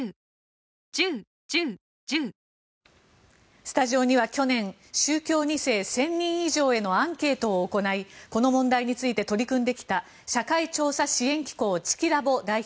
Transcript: スタジオには去年、宗教２世１０００人以上へのアンケートを行いこの問題について取り組んできた社会調査支援機構チキラボ代表